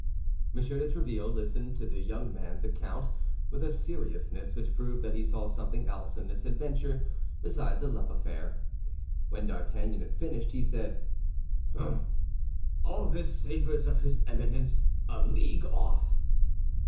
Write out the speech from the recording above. M. de Tréville listened to the young man's account with a seriousness which proved that he saw something else in this adventure besides a love affair. When D'Artagnan had finished, he said, "Hum! All this savors of his Eminence, a league off."